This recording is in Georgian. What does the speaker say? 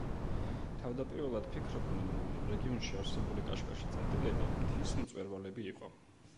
თავდაპირველად ფიქრობდნენ, რომ რეგიონში არსებული კაშკაშა წერტილები მთის მწვერვალები იყო.